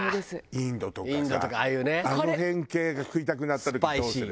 インドとかさあの辺系が食いたくなった時どうする？